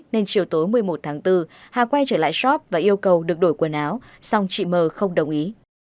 nên chiều tối một mươi một tháng bốn hà quay trở lại shop và yêu cầu được đổi quần áo song chị m không đồng ý